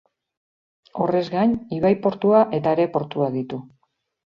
Horrez gain, ibai-portua eta aireportua ditu.